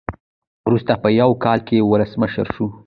وروسته په یو کال کې ولسمشر شو.